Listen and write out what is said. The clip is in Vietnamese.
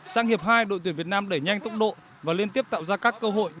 sang hiệp hai đội tuyển việt nam đẩy nhanh tốc độ và liên tiếp tạo ra các cơ hội